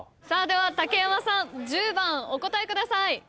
では竹山さん１０番お答えください。